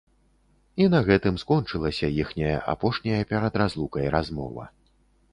І на гэтым скончылася іхняя апошняя перад разлукай размова.